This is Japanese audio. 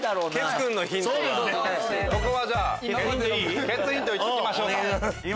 ここはじゃあケツヒントいっときましょうか。